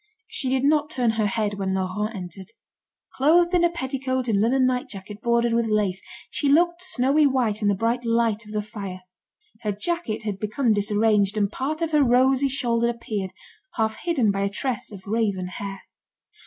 She did not turn her head when Laurent entered. Clothed in a petticoat and linen night jacket bordered with lace, she looked snowy white in the bright light of the fire. Her jacket had become disarranged, and part of her rosy shoulder appeared, half hidden by a tress of raven hair.